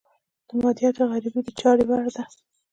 د مادیاتو غريبي د چارې وړ ده.